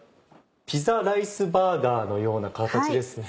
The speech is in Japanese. ピザライスバーガーのような形ですね。